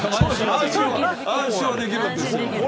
安心はできるんですよ。